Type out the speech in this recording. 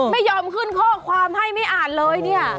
ไม่ยอมขึ้นข้อความให้ไม่อ่านเลยเนี่ย